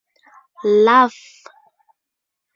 Laugh!